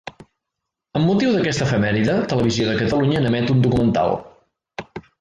Amb motiu d'aquesta efemèride, Televisió de Catalunya n'emet un documental.